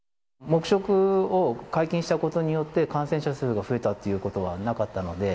黙食を解禁したことによって感染者数が増えたということはなかったので。